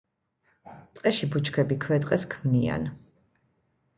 ტყეში ბუჩქები ქვეტყეს ქმნიან.